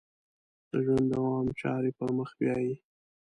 د ژوند دوام چارې پر مخ بیایي.